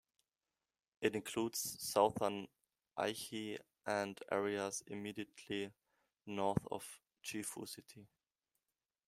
It includes southern Aichi and areas immediately north of Gifu City.